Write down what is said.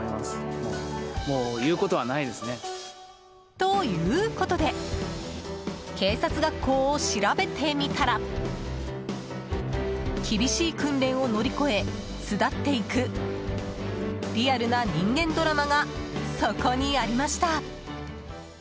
ということで警察学校を調べてみたら厳しい訓練を乗り越え巣立っていくリアルな人間ドラマがそこにありました。